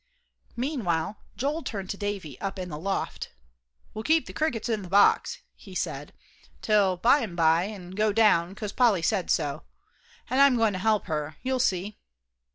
Meanwhile, Joel turned to Davie up in the loft. "We'll keep the crickets in the box," he said, "till by'n by, an' go down, 'cause Polly said so. And I'm goin' to help her; you'll see."